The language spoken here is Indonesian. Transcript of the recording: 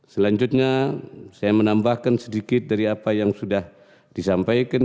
selanjutnya saya menambahkan sedikit dari apa yang sudah disampaikan